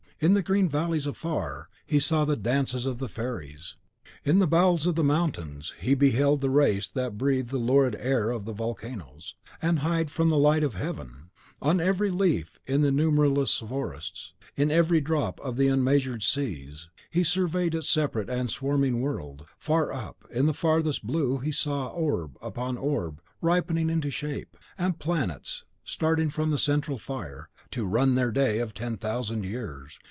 In his trance, all the universe stretched visible beyond; in the green valleys afar, he saw the dances of the fairies; in the bowels of the mountains, he beheld the race that breathe the lurid air of the volcanoes, and hide from the light of heaven; on every leaf in the numberless forests, in every drop of the unmeasured seas, he surveyed its separate and swarming world; far up, in the farthest blue, he saw orb upon orb ripening into shape, and planets starting from the central fire, to run their day of ten thousand years.